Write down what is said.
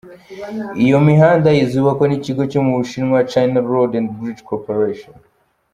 Iyi mihanda izubakwa n’ikigo cyo mu Bushinwa, China Road and Bridge Corporation.